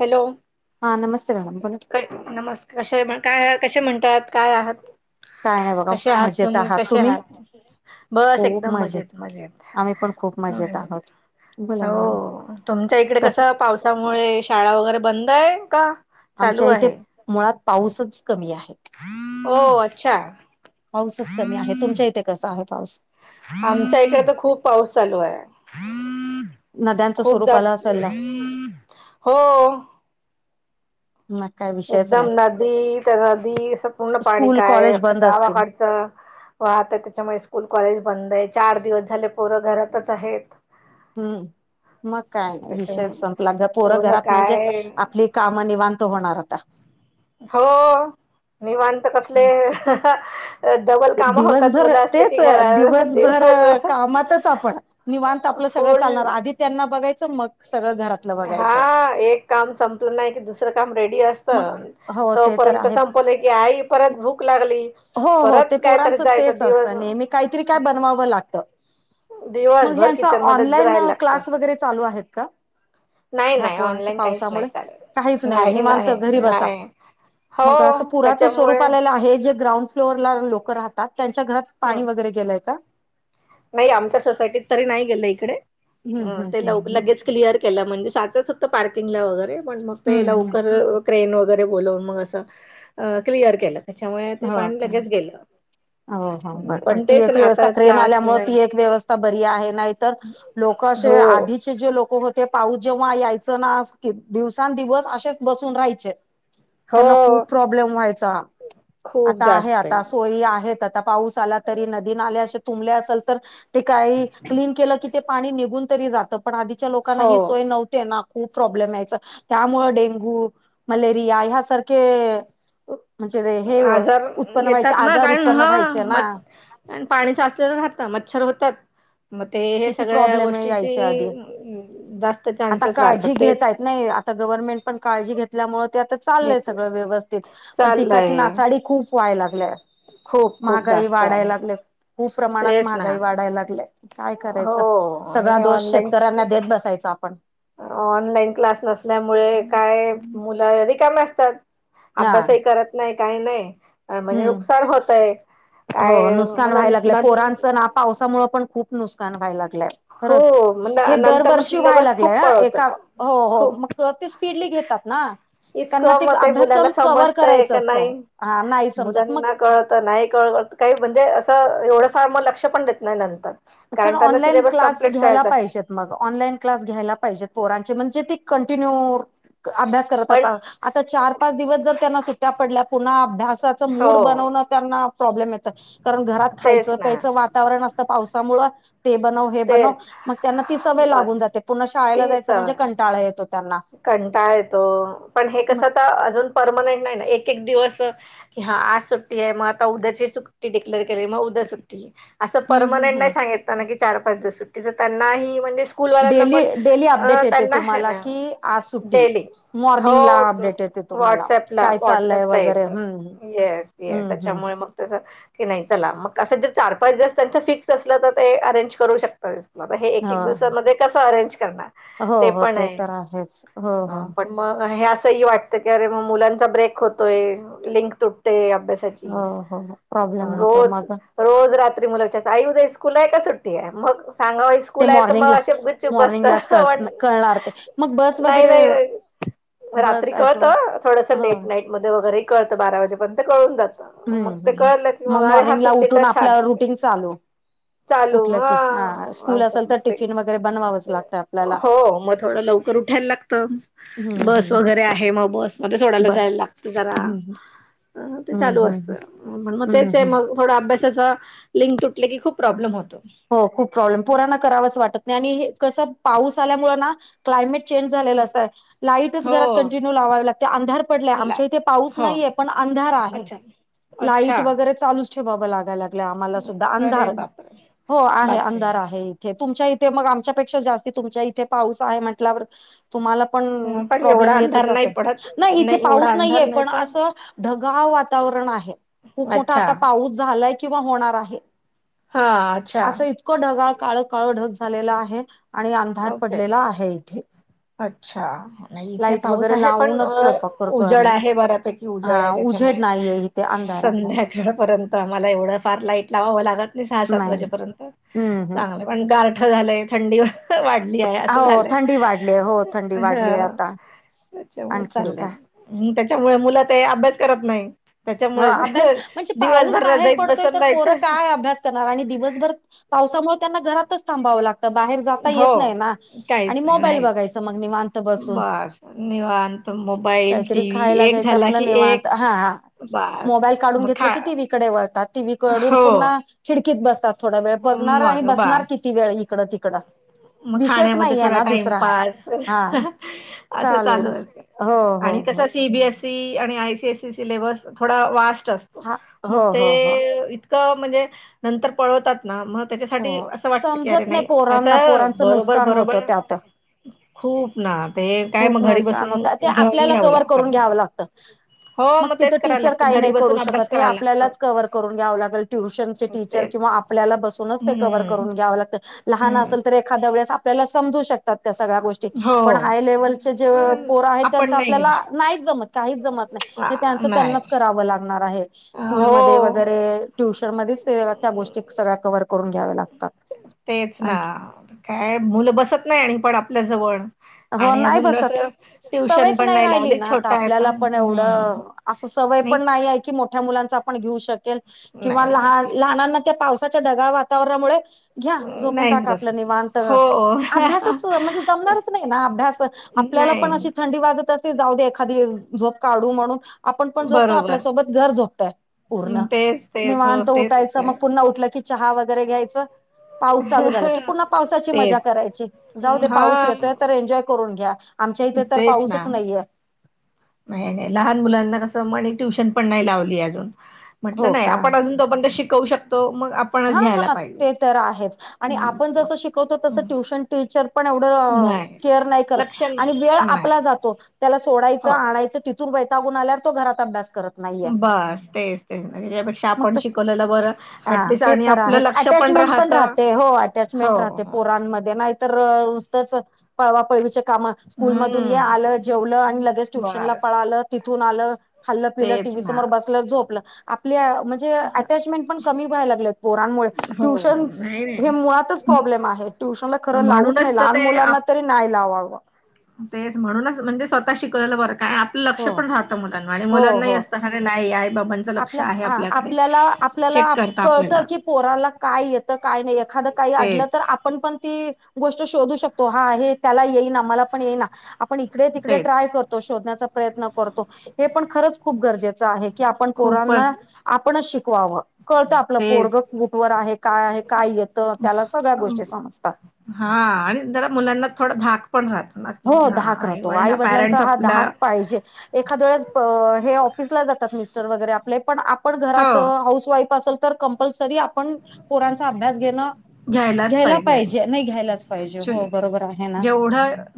Hello. हा नमस्ते madam बोला. काय नमस्कार क काय कसे म्हणतातात काय आहात. काय नाही बघा कसे आहात मजेत तुम्ही कसे आहात. बस एकदम मजेत मजेत आम्ही पण खूप मजेत मेत. आहोत बोला ना मॅडम हो तुमच्या इकडे कसं पावसामुळे मु शाळा वगैरे बंद आहे का चालू आमच्या इथे आहे मुळात पाऊसच कमी आहे हो अच्छा पाऊसच कमी आहे तुमच्या इथे कसा आहे पाऊस आमच्या इकडे तर खूप पाऊस चालू आहे नद्यांचं खूप स्वरूप आलं असेल जास्त ना हो मका एकदम नदी तर नदी अस पूर्ण पाणी स्कूल काय कॉलेज बंद असतील गावाकडचं. व आता त्याच्यामुळे स्कूल कॉलेज बंद आहे चार दिवस झाले पोरं घरातच आहेत हम्म मग काय नाही विषय त्याच्यामुळे संपला पोरं पूर्ण घरात म्हणजे काय आपली काम निवांत होणार आतापर्यंत. हो, निवांत कसले डबल काम होतात दिवसभर मुलं असले की तेच घरा दिवसभर कामातच आपण निवांत आपलं सगळं फुल चालणार आधी त्यांना बघायचं मग सगळं घरात हा एक काम संपलं नाही की दुसरं काम रेडी मग असतं हो ते तर तोपर्यंत आहेच संपले की आई परत भूक लागली परत कायतरी पोरांच जायचं तेच असतं न दिवस मी काहीतरी काय बनवावं लागतं मग दिवसभर हचा किचन मध्येच ऑनलाईन राहायला लागतं क्लास असं. वगैरे चालू आहेत का नाही ह्या नाही पोनाच्या ऑनलाईन काहीच नाही पावसामुळे काहीच चालेल नाही निवांत घरीबसा नाही मग असं हो पुराचं स्वरूप त्याच्यामुळे आलेलं आहे जे ग्राउंड फ्लोअर ला लोक राहतात त्यांच्या घरात पाणी हम्म वगैरे गेलायच नाही आमच्या सोसायटीत तरी नाही गेलं इकडे हम्म हम्म ते ल हम्म लगेच क्लिअर केला म्हणजे साचत फ होक्त पार्किंगला वगैरे पण मग हम्म ते हम्म हम्म लवकर क्रेन वगैरे बोलून मग असं क्लिअर केलं त्याच्यामुळे ते हो पाणी का लगेच हो हो गेलं बरोबर पण ती तेच एक ना व्यवस्था आता क्रेन क्लास आल्यामुळे नाही ती एक व्यवस्था बरी आहे नाही तर लोक असे हो आधीच् जे लोक होते पाऊस जेव्हा यायचं ना क दिवसां दििवस असेच बसून राहायचे हो त्यांना खूप प्रॉब्लेम व्हायचा खूप आता आहे जास्त आ सोय आहे आ पाऊस आलारी नदी तुंब असेल तर ते काही क्लीन के क ते पाणी निघून तरी जात पण आधीच्या लोकना हो ही सोय नव्हते ना खूप प्रॉब्लेम यायच त्यामुळें डेंगू मलेरिया ह्यासारखे. म्हणजे हे व आजार उत्पन येतात व्हायचे ना आजार. कारण उत्पन्न हा व्हायचे मच ना पाणीच असले तर राहत मच्छर होतात. मग ते हे किती सगळ्या प्रॉब्लेम यायच्या आधी गोष्टीची जास्त आता चान्सेस राहतात काळजी तेच. घेतायत नाही आता गव्हर्नमेंट पण काळजी घेतल्यामुळे ते आता चालय घेत सगळं व्यवस्थित पण पिकाची चाललंय नासाडी खूप व्हाय लागलीय खूप खूप महागाई जास्त वाढाय आहे लागले खूप प्रमाणात तेच ना महागाई वाढाय लागली काय हो करायचं आणि सगळा हे दोष ऑनलाईन शेतकऱ्यांना देत बसायच आपण ऑनलाईन क्लास नसल्यामुळे काय मुलं रिकाम असतात हा अभ्यासही करत नाही काही नाही पण म्हणजे हम्म नुकसान होतय हो काय नुकसान मग व्हाय लागय न पोरांचं ना पावसामुळेळ पण खूप नुकसान व्हाय लागय. हो खरंच मग हे नंतर मग दरवर्षी व्हायला सिलेबस खूप लागलंय पळवतात एका हो हो खूप मग ते स्पीडली घेतात. त्यांना इतकं ते मग मुलांना अभ्यासक्रम कवर्ह समजतय करायच का असत नाही हा नाही समजत मग. मुलांना कळत नाही कळत काही म्हणजे असं एवढं फार मग लक्ष पण देत नाही नंतर. कारण त्यांना सिलेबस तास कंप्लीट घ्यायला करायचा असतो पाहिजेत क् घ प कंट्य अ पण आता चार पाच दिवस जर त्यांना सुट्या पडल्या पुन्हा अभ्यासाच मूड हो बनव त्यांना घरात तेच खायचं ना प्यायचं वातावरण असत पावसामुळे ते ब हे बन तेच मग त्यांना ती सवय बस लागून जाते पूर्ण शाळेला जायचं म्हणजे कंटाळा येतो त्यांना कंटाय तो पण हे मग कसं तर अजून परमनंट नाही ना एक एक दिवस कि हा आज सुट्टी आहे मग आता उद्याची सुट्टी डिक्लेअर केली मग उद्या सुट्ट असं हम्म हम्म परमनंट नाही हम्म सांगित ना की चार पाच दिवस सुटी तर त्यांनाही म्हणजे स्कूलवाल्यांना डेली पण डेली अ अपडेट येते त्यांना ह तुम्हाला ना की आज सुट्टी डेली हो मॉर्निंगला अपडेट येते तुम्हाला व्हॉटसअपला काय चाललंय व्हॉट्सअपला वगैरे येत हम्म येस ते हम्म हम्म त्याच्यामुळे मग की नाही चला मग असं जर चार पाच दिस त्यांच फिक्स असलं तर ते अरेंज करू शकत ता हे एक हो एक दिुससामध्येध्ये कसं अरेंज करणार हो हो ते तर आहेच हो ह हो पण मग हे असंही वाटत की अरे म मुलांचा ब्रेक होतोय लिंक तुटते अभ्यास सचिन हो हो प्रॉब्लेम होतो रोज मग रोज रात्री मुलाच्या आई उद्या स्कूल आहे का सुट्टी आहे मग सांगा ते स्कूल आहे तर मग मॉर्निंगला अशेप गुच्चप मॉर्निंगलाच कळ बसतण कळणार ते मग बस नाही वगैरे नाही बस रात्री कळत ऑटो थोडस हो लेट नाईट मध्ये वगैरे कळतं बारा वाजे पण कळून जात हम्म मग ते हम्म कळलं की म मग अरे हा मॉर्निंगला सुट्टी उठून त्या छान आपलं आहे रुटीन चालू चालू उठलं हा की हा स्कूल असं असेल मग तर ते टिफिन वगैरे बनवावंच लागतं आपल्याला हो मग थोडं लवकर कर ठायला लागत हम्म बस हम्म वगैरे आहे मग बस मध्ये सोडायला जायला बस लागत जरा हम्म ते हम्म चालू हम्म असतं मग हम्म तेच आहे हम्म मग थोडं अभ्यासाच लिं तुटले की खप प्रॉब्म होतो हो खूप प्रॉब्लेम पोराना करावां वाटत नाही आणि कसं पाऊस आल्यामुळेळं ना क्लायमेट चेंज झालेला हम्म. अस आहे लाईटच घरात हो कंटिन्यू लावावे लागते अंधार पडल्या ला आमच्या इथे पाऊस हो नाहीये पण अंधार आहे अच्छा अच्छा लाईट वगैरे चालूच ठे बाबा लागायला लागल्या आम्हाला सुद्धा अरे अंधार बापरे हो आहे बापरे अंधार आहे तुमच्या इथे मग आमच्यापेक्षा जास्ती तुमच्या इथे पाऊस आहे म्हटल्यावर तुम्हाला ह पण एवढा प्रॉब्लेम अंधार येत नाही असे पडत नाही इथे एवढा पाऊस अंधार नाहीे नाही पण अस ढगाव वातावरण आहे खूप मोठं अच्छा आता पाऊस झालाय किंवा होणार आहे हा अच्छा असं इतकं ढगाळ काळ काळ ढग झालेला आहे आणि अंधार ओके पडलेला आहे इथे अच्छा नाही इथे लाईट पाऊस वगैरे आहे पण लावूनच स्वयंपाक करतोय उजड आम्ही आहे बऱ्यापैकी उजड हा आहे त्याच्यामुळे उझेड नाहीये इथे अंधार आहे संध्या पर्यंत आम्हाला एवढं फार लाईट लावावं लागत नाही सहा सात वाजेपर्यंत हम्म हम्म चांगलं पण गारठ झालंय थंडीवर वाढली आहे असं हो झालंय थंडी वाढली हो थंडी वाढली आहे आता ह त्याच्यामुळे आणखीन काय चाललंय त्याच्यामुळे मुलं ते अभ्यास करत नाही हो त्याच्यामुळे अभ्यास म्हणजे पाऊस दिवसभरला बाहेर जाईत पडतोय बसून तर पोरं राहायचं काय अभ्यास आणि दिवसभर पावसामुळे त्यांना घरातच थांबावं लागत बाहेर जाता हो येत नाही ना काहीच आणि नाही मोबाईल नाहीच बघायचं मग नि माांतं बसून बस निवांत मोबाईल काहीतरी टीव्ही एक खायलाग्यायचं झाला की आपलं एक नेवत हा बस मोबाईल काढून मग घेतलं खा की टीव्ही कडे वळतात टीव्ही कडून हो पर्ण खिडकीत बसतात थोडा वेळ पघणार आणि मग बसणार किती वेळ इकडं तिकडं म विषयच खाण्यामध्ये नाहीये थोडा ना दुसरा टाईमपास हा असं चालू असते. हो हो आणि कस हो सी बी एस सी आणि I C S C syllabus थोडा वास्ट अस हा हो मग हो हो ते इतकं म्हणजे नंतर पळवतात ना म हो त्याच्यासाठी असं वाटत की अरे समजत नाही अस पोरांना पोरांचं बरोबर नुकसान बरोबर होतं त्यात खूप ना ते काय खूप मग घरी नुसकानं बसून होत ते घेऊन आपल्याला घ्यावं कवर लागतं करून अभ्यास. घ्यावं लागत. हो मग तिथं तेच करायला टीचर लागतं काही घरी नाही करू बसून अभ्यास शकत हे करायला लागतं आपल्यालाच कव्हर करून घ्यावं लागेल ट्युशनचे ते टीचर किंवा आप आपल्याला बसूनच ते कवर हम्म. करून घ्यावं लागत लहान हम्म असल तर एक एखाद्या वेळेस आपल्याला समजू शकतात त्या सगळ्या गोष्टी हो पण आ हाय लेवलचे जे मग पोर आहेत आपण त्यांच नाही घेऊ आपल्याला शकत नाहीच जमत काहीच जमत नाय. हे आ, त्यांच त्यांनाच नाही. करावं लागणार आहे स्कूलमध्ये हो वगैरे ट्युशन मध्येच ते त्या गोष्टी सगळ्या कव्हर करून घ्याव्या लागतात तेच ना आणखी काय मुलं बसत नाही आणि पण आपल्याजवळ हो नाय बसत सवयच पण नाय नाही राहिली लावली ना आता छोटा आहे आपल्याला पण हम्म एवढं असं सवय पण नाही आहे की मोठ मोठ्या मुलांचा आपण घेऊ शकेल किंवा नाही लहान नाही लहानांना त्या पावसाच्या ढगाळ वातावरणामुळे घ्या झोपून नाहीच टाका आपल बसत निवांत हो. अभ्यासच म्हणजे जमणार तस- नाही ना अभ्यास आपल्याला नाही पण अशी थंडी वाजत असेली जाऊ दे एखादी झोप काढू म्हणून आपण पण झोपतो बरोबर आपल्यासोबत घर झोपतय पूर्ण हं तेच तेच हो निवांत तेच उठायचं मग होतंय पुन्हा उठलं की चहा वगैरे घ्यायचं. पाऊस चालू झाला की पुन्हा पावसाची मजा तेच करायची जाऊ हं, दे हा पाऊस येतोय तर एन्जॉय करून घ्या. आमच्या इथे तर तेच ना पाऊसच नाहीये. नाही नाही लहान मुलांना कसं म्हनी ट्यूशन पण नाही लावली अजून म्हटलं हो नाही काय आपण अजून तो पर्यत शिकवू शकतो मग आप हा ते तर आहेच आणि हं, आपण मग जसं शिकवतो तस हं, ट्युशन टीचर पण एवढ नाही केअर नाही करत लक्ष आणि वेळ नाही आपला जातो त्याला सोडायचं हो आणायचं तित तुन वैतागून आल्यावर तो घरात अभ्यास करत नाहीये बास तेच तेच त्याच्यापेक्षा मग आपण तो शिकवलेलं बर हा ऍटलीस्ट ते तर आहे अटॅचमेंट पण राहते हो हो अटॅचमेंट राहते हो पोरांमध्ये नाही तर नुसतंच पळवा पळवीचे काम स्कूल मधून ये आलं हम्म जेवलं आणि लगेच ट्युशनला बस पळालं तिथून आलं खल्लं पिलं तेच टीव्ही ना समोर बसलं झोपलं आपल्या म्हणजे अटॅचमेंट पण कमी व्हायला लागलेत. पोरांमुळे हो ट्यूशन नाही हे मुळातच नाही प्रॉब्लेम आहे. ट्यूशनला खर लावूच नये म्हणूनच तर लहान ते मुलांना आप तरी नाय लावाव. तेच म्हणूनच म्हणजे स्वतः शिकवलं बरं काय आप लक्ष हो पण राहत मुलांवर आणि हो मुलांनाही हो असतं अरे नाही आई बाबांचं लक्ष आपल्या आहे हा आपल्याकडे. आपल्याला आपल्याला चेक करता कळत आपल्याला की पोराला काय येत काय नाही एखाद काही अडलं तेच तर आप आपण पण ती गोष्ट शोधू शकतो हा हे त्याला येई ना मला पण येईल ना आप पण इकडे तिकडे तेच ट्राय करतो शोधण्याचा प्रयत्न करतो हे पण खरंच खूप गरजेचं आहे. की आपण खूपच पोरांना आपणच शिकवावं. कळतं आपलं तेच पोरग कुटवर आहे काय आहे काय येतं त्याला सगळ्या अं, गोष्टी समजतात. हा आणि जरा मुलांना थोडा धाक पण राहतो ना हो की हा धाक राहतो वडील आई वडिलांचा पॅरेंट्स हा आपला धाक पाहिजे. एखाद्या वेळेस प अ हे ऑफिसला जातात मिस्टर वगैरे आपले पण आपण हो घरात हाऊस वाईफ असल तर कंपलसरी आपण पोरांचा अभ्यास घेणं घ्यायलाच घ्यायला आणि पाहिजे नाही घ्यायलाच पाहिजे हो बरोबर आहे ना. पुढ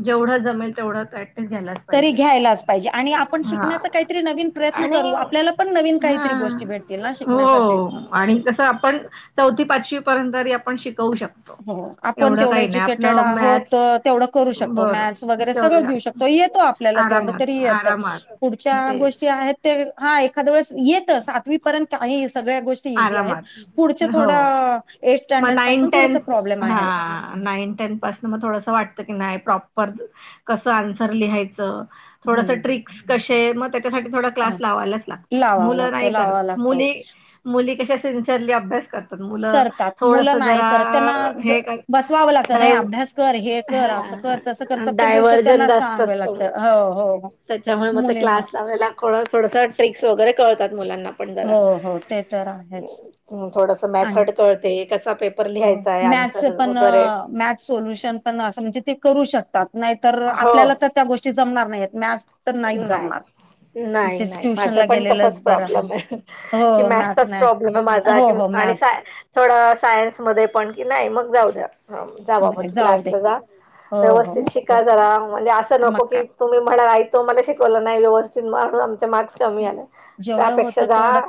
जेवढं जमल तेवढं त ऍटलीस्ट घ्यायालाच तरी घ्यायलाच पाहिजे आणि आपण शिकण्याचा काहीतरी नवीन प्रयत्न आणि करू आपल्याला पण नवीन काहीतरी गोष्टी हां. भेट तील ना हो शिकण्यासाठी आणि कसं आपण चौथी पाचवी पर्यंतरी आपण शिकवू शकतो हो आपण एवढं तेवढं काही नाही एज्युकेटेड आपलं आहोत मॅथ्स तेवढं करू शकतो बरं मॅथ्स वगैरे करू सगळं घेऊ शकतो येतो आपण आपल्याला तेवढ आरामात, तरी येतं आरामात पुढच्या गोष्टी तेच आहेत ते हा एखाद्या वेळेस येत सातवी पर्यंत काही सगळ्या गोष्टी इझी आहेत आरामात. पुढचे थोडं एट स्टॅंडर्ड पासून थोडं हान नाईन टेन मग थोडसं वाटतं की नाही प्रॉपर कसं आंसर लिहायचं थोडंसं हम्म ट्रिक्स कसे मग थोडसं हा क्लास लावायलाच लागतात लावावा मुलं लागतो नाही लावावा करत लागतो मुली मुली कशा सिनसिअरली अभ्यास करतात मुलं करतात थोडस मुलं नाही जरा करत त्यांना ज हे कर बसवावं लागतं नाही डव अभ्यास कर हे कर असं कर तसं कर हा प्रत्येक गोष्ट डायव्हर्जन त्यांना जास्त सांगाव असत मग लागतं हो हो हो, त्याच्यामुळे मग ते मुलींना क्लास लावायला थोडस ट्रिक्स वगैरे कळतात मुलांना पण जरा हो हो ते तरर आहेच हम्म, थोडस आणि मेथड कळते कसा पेपर लिहितो हो मॅथस पण मॅथ सोल्युशन पण असं म्हणजे ते करू शकतात नाहीतर हो आपल्याला तर त्या गोष्टी जमणार नाही मॅथ्स तर नाही जमणार नाही मग नाही तेच नाही माझ ट्युशनला पण तसाच गेलेलंच बरं प्रॉब्लेम आहे की हो मॅथ्स त नाही हो हो मॅथ्स थोडं सायन्स मध्ये पण कि नाही मग जाऊ द्या ह जाव मग नाही तू जाऊ दे क्लासला जा हो हो व्यवस्थित शिका हो जरा म्हणजे असं मग नको की काय तुम्ही म्हणाय तो मला शिकवला नाही व्यवस्थित म्हणून आमच्या मार्क्स कमी आलं जेवढं त्यापेक्षा होतं झा तेवढं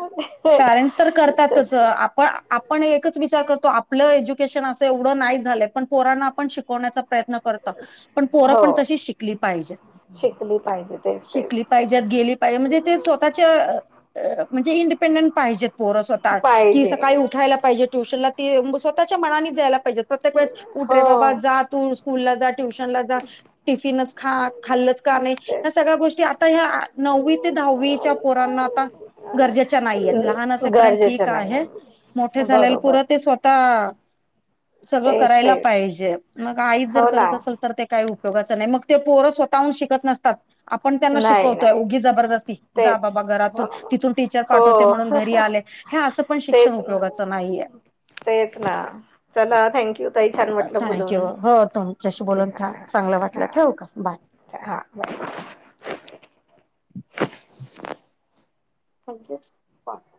टीचर्स पण आपण एकच विचार करतो आपलं एज्युकेशन असं एवढं नाही झालं पण पोरांना आपण शिकवण्याचा प्रयत्न करतो पोरं हो पण तशी शिकली पाहिजेत शिकली पाहिजे तेच शिकली तेच पाहिज गेली पाहिजे म्हणजे ते स्वतःच्या म्हणजे इंडिपेंडंट पाहिजेत पोर स्वतः कि पाहिजे सकाळी उठायला पाहिजे ट्युशनला ते स्वतःच्या मनाने जायला पाहिजे प्रत्येक वेळेस उठ रे हो बाबा जा तू स्कूलला जा ट्युशनला जा टिफिनच खाल्ल का नाही तेच ह सगळ्या गोष्टी आता ह दहावीच्या पोरांना आता गरजेच्या नाहीयेत लहान असेपर्यंत ठीक गरजेचं आहे मोठे नाही झालेले बरोबर पुर ते स्वतः आता सगळं तेच करायला तेच पाहिजे मग आई जर हो ना करत असेल तर ते काही उपयोगाच नाही मग ते पोरं स्वतःहून शिकत नसतात आपण त्यांना नाही शिकवतोय नाही उगी जबरदत जा तेच बाबा घरातून हो तिथून टीचर पाठवते हो. म्हणून घरी आले हे असं पण शिक्षण तेच ना. उपयोगाचं नाहीय तेच ना चला थँक यू छान म्हटलं थँक्यू बोलून हो तुमच्याशी बोलून चांगलं ह वाटलं ठेवू का बाय हा बरोबर थँक्यू बाय.